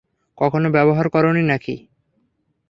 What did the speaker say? কখনো ব্যবহার করোনি নাকি?